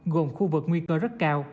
gồm khu vực nguy cơ rất cao